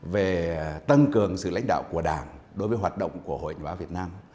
về tăng cường sự lãnh đạo của đảng đối với hoạt động của hội nhà báo việt nam